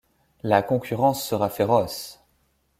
La concurrence sera féroce...